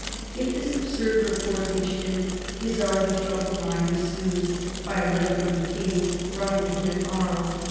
If this absurd report reached him, his already troubled mind was soothed by a letter from the King, brought to him at Aries by M.